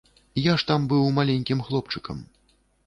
Я ж там быў маленькім хлопчыкам.